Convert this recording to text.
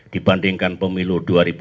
dibandingkan pemilu dua ribu sembilan belas